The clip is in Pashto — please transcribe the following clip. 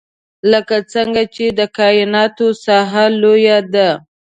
لکه څنګه چې د کاینات ساحه لوی ده.